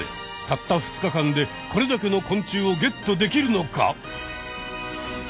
たった２日間でこれだけの昆虫をゲットできるのか？